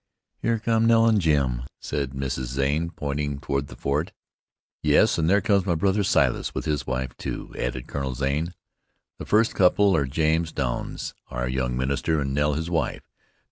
"Here come Nell and Jim," said Mrs. Zane, pointing toward the fort. "Yes, and there comes my brother Silas with his wife, too," added Colonel Zane. "The first couple are James Douns, our young minister, and Nell, his wife.